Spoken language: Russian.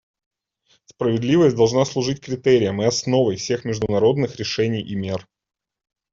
Справедливость должна служить критерием и основой всех международных решений и мер.